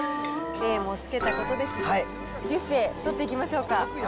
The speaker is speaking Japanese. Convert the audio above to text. レイもつけたことですし、ビュッフェ、取っていきましょうか。